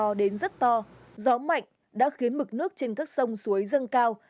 gió đến rất to gió mạnh đã khiến mực nước trên các sông suối dâng cao